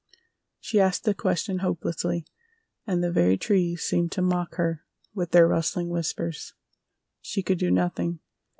She asked the question hopelessly, and the very trees seemed to mock her with their rustling whispers. She could do nothing!